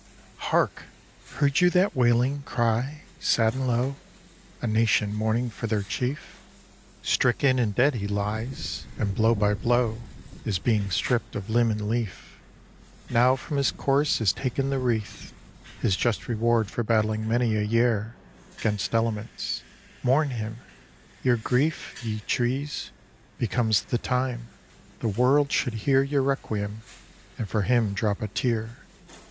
Hark! heard you that wailing cry, sad and low? A nation mourning for their chief? Stricken and dead he lies, and blow by blow Is being stripp'd of limb and leaf; Now from his corse is ta'en the wreath, His just reward for battling many a year 'Gainst elements; mourn him! your grief, Ye trees, becomes the time; the world should hear Your requiem, and for him drop a tear.